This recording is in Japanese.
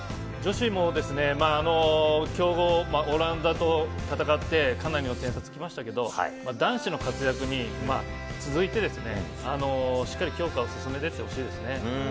女子も強豪オランダと戦って、かなりの点差がつきましたけれども、男子の活躍に続いてしっかりと強化を進めていってほしいですね。